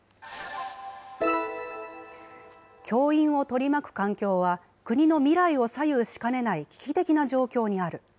教員を取り巻く環境は国の未来を左右しかねない危機的な状況にある。